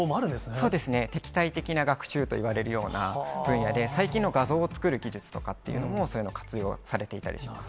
そうですね、敵対的な学習といわれるような分野で、最近の画像を作る技術とかっていうのも、そういうのを活用されていたりします。